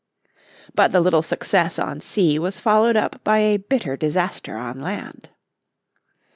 But the little success on sea was followed up by a bitter disaster on land.